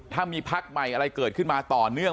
ถ้ามีพักใหม่อะไรเกิดขึ้นมาต่อเนื่อง